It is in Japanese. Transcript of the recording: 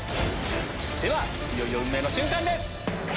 ではいよいよ運命の瞬間です！